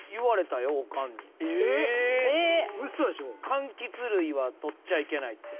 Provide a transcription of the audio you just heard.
かんきつ類はとっちゃいけないって。